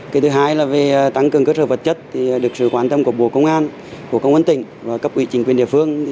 cái thứ hai là về tăng cường cơ sở vật chất thì được sự quan tâm của bộ công an của công an tỉnh và cấp ủy chính quyền địa phương